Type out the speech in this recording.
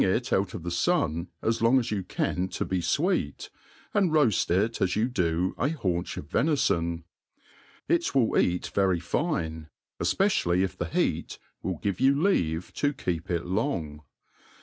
it out of the fun as long as you can to be fweet, and roaft it as you do. A haunch cjf venifon. It will eat very fine, efpecially if the beat will give you leave to keep it long.